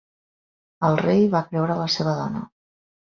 El rei va creure la seva dona.